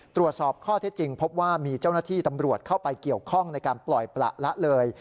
ตรวจสอบข้อเท็จจริงพบว่ามีเจ้าหน้าที่ตำรวจเข้าไปเกี่ยวข้องในการปล่อยประละเลย